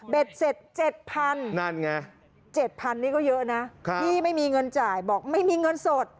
เสร็จ๗๐๐นั่นไง๗๐๐นี่ก็เยอะนะพี่ไม่มีเงินจ่ายบอกไม่มีเงินสด